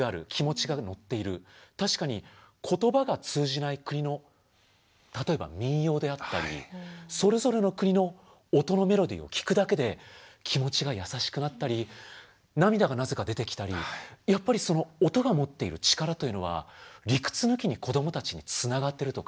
確かに言葉が通じない国の例えば民謡であったりそれぞれの国の音のメロディーを聴くだけで気持ちが優しくなったり涙がなぜか出てきたりやっぱりその音が持っている力というのは理屈抜きに子どもたちにつながってると感じました。